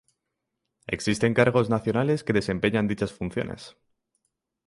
Existen cargos nacionales que desempeñan dichas funciones.